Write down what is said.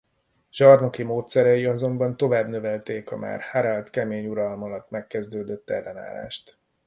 Zsarnoki módszerei azonban tovább növelték a már Harald kemény uralma alatt megkezdődött ellenállást.